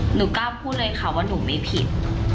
หนูกล้าพูดเลยค่ะว่าหนูไม่ผิด